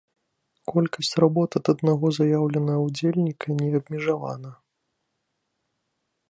Колькасць работ ад аднаго заяўленага ўдзельніка не абмежавана.